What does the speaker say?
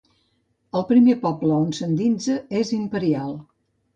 El primer poble on s'endinsa és Imperial.